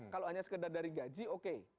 kalau hanya sekedar dari gaji oke